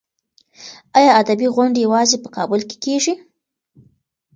ایا ادبي غونډې یوازې په کابل کې کېږي؟